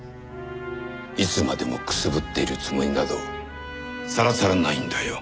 いつまでもくすぶっているつもりなどさらさらないんだよ